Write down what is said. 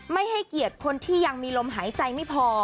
ไม่ให้เกียรติคนที่ยังมีลมหายใจไม่พอ